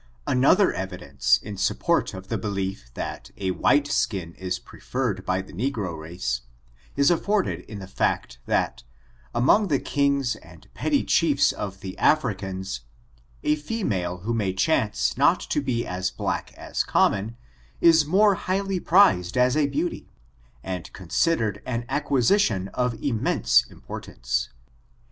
Another evidence in support of the belief that a white skin is preferred by the negro race, is afforded in the fact that, among the kings and petty chiefs of the Africans, a female who may chance not to be as black as common, is more highly prized as a beauty, and considered an acqm'sition of immense importance.